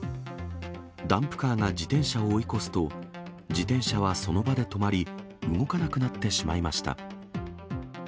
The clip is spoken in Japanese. ダンプカーが自転車を追い越すと、自転車はその場で止まり、動かなくなってしまいました。